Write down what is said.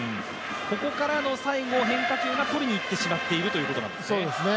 ここからの最後、変化球が取りにいってしまっているということですね。